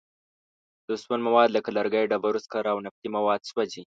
د سون مواد لکه لرګي، ډبرو سکاره او نفتي مواد سوځي.